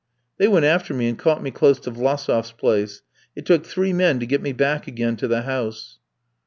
"They went after me and caught me close to Vlassof's place. It took three men to get me back again to the house.